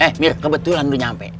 eh mir kebetulan lo nyampe